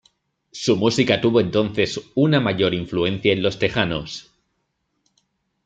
Su música tuvo entonces una mayor influencia en los texanos.